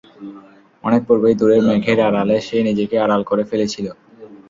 অনেক পূর্বেই দূরের মেঘের আড়ালে সে নিজেকে আড়াল করে ফেলেছিল।